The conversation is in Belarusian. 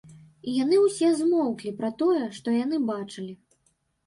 І яны ўсе замоўклі пра тое, што яны бачылі.